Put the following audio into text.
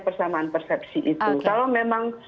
persamaan persepsi itu kalau memang